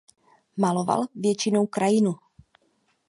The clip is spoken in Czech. Maloval většinou krajinu.